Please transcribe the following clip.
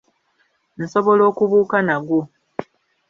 Nsobola okubuuka nagwo.